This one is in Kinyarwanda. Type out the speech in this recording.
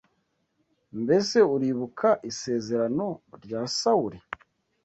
Mbese uribuka isezerano rya Sawuli